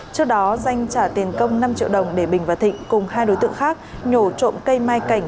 trước đó danh trả tiền công năm triệu đồng để bình và thịnh cùng hai đối tượng khác nhổ trộm cây mai cảnh